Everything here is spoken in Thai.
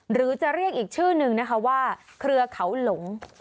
หรือจะเรียกอีกชื่อนึงนะคะว่าเครือเขาหลง